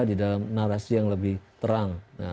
di dalam narasi yang lebih terang